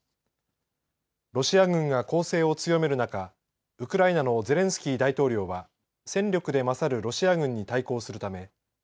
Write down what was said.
ロシア軍が攻勢を強める中、ウクライナのゼレンスキー大統領は戦力で勝るロシア軍に対抗するためＮＡＴＯ